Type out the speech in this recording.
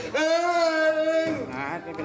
หาดไม่เป็นไรนะหาดไปนะลูก